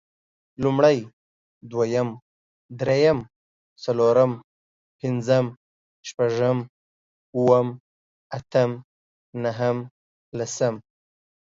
لومړی، دويم، درېيم، څلورم، پنځم، شپږم، اووم، اتم نهم، لسم